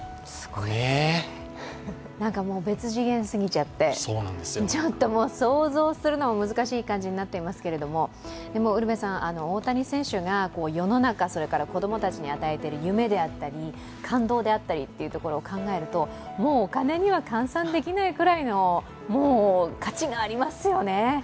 別次元すぎちゃって、ちょっともう想像するのも難しい感じになっていますけれども、でも大谷選手が世の中、それから子供たちに与えている夢であったり感動であったりというところを考えると、もうお金には換算できないぐらいの、価値がありますよね。